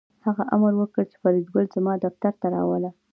هغه امر وکړ چې فریدګل زما دفتر ته راوله